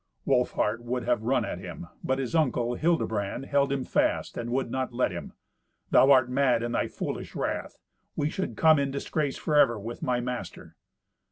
Wolfhart would have run at him, but his uncle, Hildebrand, held him fast and would not let him. "Thou art mad in thy foolish wrath. We should come in disgrace forever with my master."